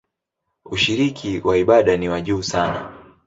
Ushiriki wa ibada ni wa juu sana.